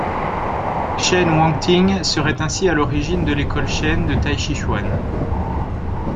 Chen Wangting serait ainsi à l'origine de l'école Chen de tai-chi-chuan.